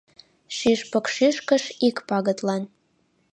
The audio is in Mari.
Шӱшпык шӱшкыш ик пагытлан.